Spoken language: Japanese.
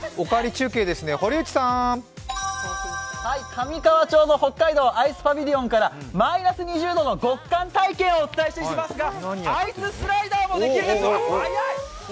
上川町の北海道、アイスパビリオンからマイナス２０度の極寒体験をお伝えしていますがアイススライダーもできるんですよ。